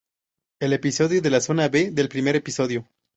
El episodio de la zona "B" del primer episodio.